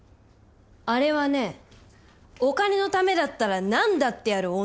あれはねお金のためだったら何だってやる女よ。